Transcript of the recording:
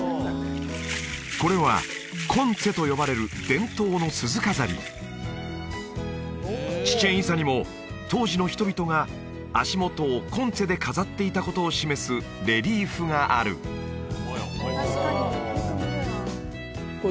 これはコンチェと呼ばれる伝統の鈴飾りチチェン・イツァにも当時の人々が足元をコンチェで飾っていたことを示すレリーフがあるこれ